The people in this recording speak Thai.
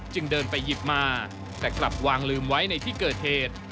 จึงเดินไปหยิบมาแต่กลับวางลืมไว้ในที่เกิดเหตุ